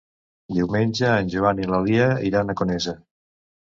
Diumenge en Joan i na Lia iran a Conesa.